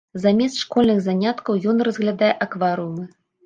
Замест школьных заняткаў ён разглядае акварыумы.